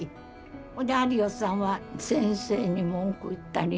それで有吉さんは先生に文句言ったりね。